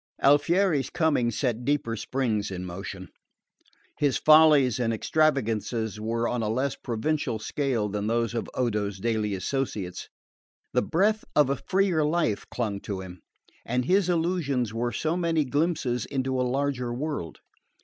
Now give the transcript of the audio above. Alfieri's coming set deeper springs in motion. His follies and extravagances were on a less provincial scale than those of Odo's daily associates. The breath of a freer life clung to him and his allusions were so many glimpses into a larger world.